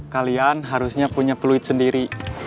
kalian harusnya punya peluit sendiri